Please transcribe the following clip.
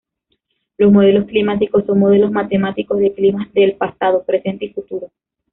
Los modelos climáticos son modelos matemáticos de climas del pasado, presente y futuro.